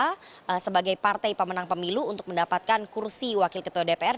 dan ini adalah hal yang harus diperhatikan oleh partai pemenang pemilu untuk mendapatkan kursi wakil ketua dpr